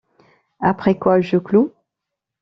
Après quoi, je cloue.